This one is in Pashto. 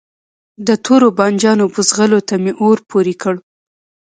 د توربانجانو بوزغلو ته می اور پوری کړ